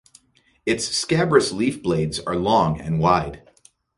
Its scabrous leaf blades are long and wide.